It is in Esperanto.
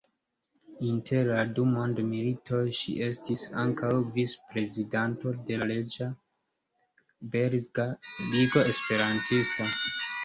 Inter la du mondmilitoj ŝi estis ankaŭ vicprezidanto de la Reĝa Belga Ligo Esperantista.